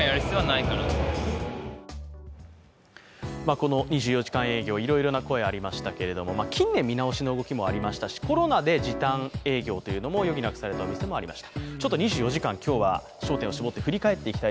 この２４時間営業、いろいろな声ありましたが近年見直しの動きもありましたしコロナで時短営業というのを余儀なくされたお店もありました。